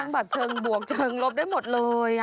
แบบเชิงบวกเชิงลบได้หมดเลย